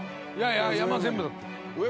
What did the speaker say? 山全部だって。